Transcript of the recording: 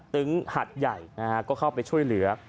ตึงหัดใหญ่นะฮะก็เข้าไปช่วยเหลือ